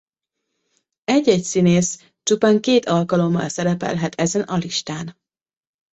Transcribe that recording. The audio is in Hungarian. Egy-egy színész csupán két alkalommal szerepelhet ezen a listán.